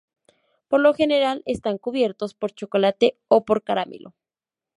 Por lo general están cubiertos por chocolate o por caramelo.